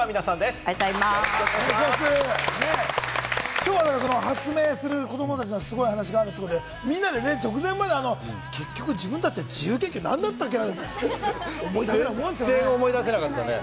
きょうは発明する子供たちのすごい話があるということで、みんなで直前まで結局、自分たちって自由研究何だったっけな？